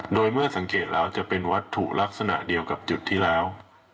โดยเมื่อสังเกตแล้วจะเป็นวัตถุลักษณะเดียวกับจุดที่แล้ว